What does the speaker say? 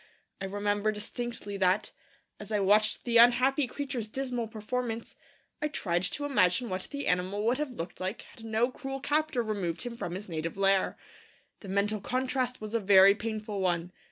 I remember distinctly that, as I watched the unhappy creature's dismal performance, I tried to imagine what the animal would have looked like had no cruel captor removed him from his native lair. The mental contrast was a very painful one.